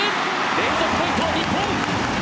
連続ポイント、日本！